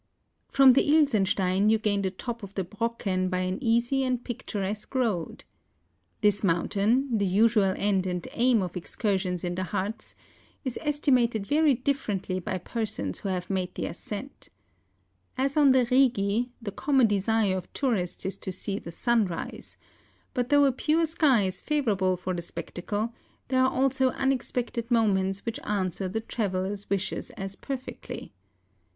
From the Ilsenstein you gain the top of the Brocken by an easy and picturesque road. This mountain, the usual end and aim of excursions in the Hartz, is estimated very differently by persons Avho have made the ascent. As on the Biglii, the common desire of tourists is to see the sun rise; but though a pure sky is favourable for the spectacle, there are also unexpected moments which answer the 161 MOUNTAIN ADVENTURES. the traveller's wishes as perfectly.